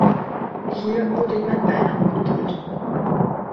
Hier wurde ihm ein Bein amputiert.